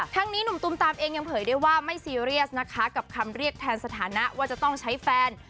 นี้หนุ่มตุมตามเองยังเผยได้ว่าไม่ซีเรียสนะคะกับคำเรียกแทนสถานะว่าจะต้องใช้แฟน